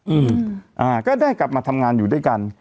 อืมอ่าก็ได้กลับมาทำงานอยู่ด้วยกัน